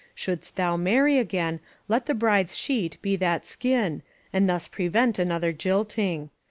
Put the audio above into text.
Shpuldst thou marry again, let the bride's sheet be that skin, and thus pre vent another jilting.